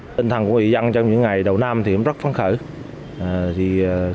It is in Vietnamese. tinh thần của người dân trong những ngày đầu năm thì cũng rất phấn khởi